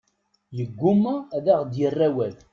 Yeggumma ad aɣ-d-yerr awal.